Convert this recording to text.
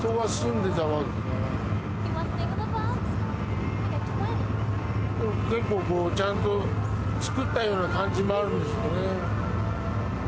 でも結構ちゃんと作ったような感じもあるんですよね。